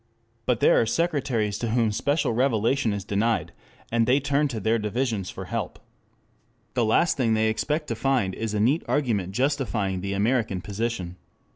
But there are Secretaries to whom special revelation is denied, and they turn to their divisions for help. The last thing they expect to find is a neat argument justifying the American position.